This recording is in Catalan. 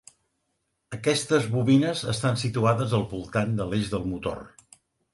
Aquestes bobines estan situades al voltant de l'eix del motor.